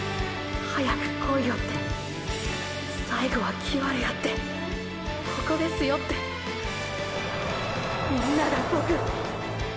「はやく来いよ」って「最後はキバれや」って「ここですよ」ってみんながボクを――